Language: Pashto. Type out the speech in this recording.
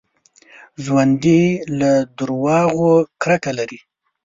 ژوندي له دروغو کرکه لري